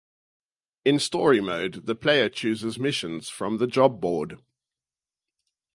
In story mode, the player chooses missions from the Job Board.